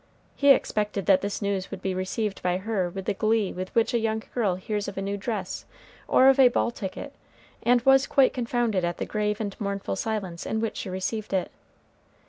He expected that this news would be received by her with the glee with which a young girl hears of a new dress or of a ball ticket, and was quite confounded at the grave and mournful silence in which she received it.